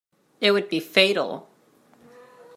It would be fatal.